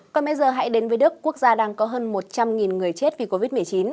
còn bây giờ hãy đến với đức quốc gia đang có hơn một trăm linh người chết vì covid một mươi chín